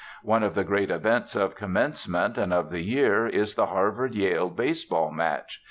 One of the great events of Commencement, and of the year, is the Harvard Yale baseball match.